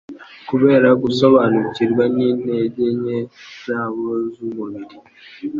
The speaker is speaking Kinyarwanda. Kubera gusobanukirwa n'intege nke zabo z'umubiri